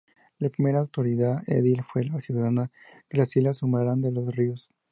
La primera autoridad edil fue la ciudadana Graciela Sumarán De los Ríos.